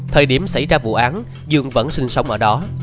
thời điểm xảy ra vụ án dương vẫn sinh sống ở đó